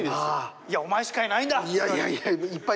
「いやお前しかいないんだ！」。